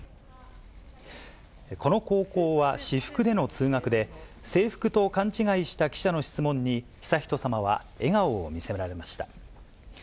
この高校は私服での通学で、制服と勘違いした記者の質問に、悠仁さまは笑顔を見せられました。